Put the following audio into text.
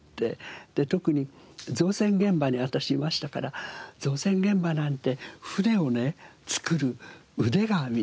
特に造船現場に私いましたから造船現場なんて船をね造る腕が皆さんあるわけですよ。